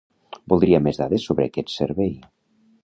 Voldria més dades sobre aquest servei.